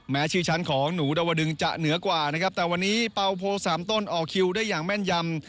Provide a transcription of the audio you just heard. ชื่อชั้นของหนูดาวดึงจะเหนือกว่านะครับแต่วันนี้เปล่าโพสามต้นออกคิวได้อย่างแม่นยำ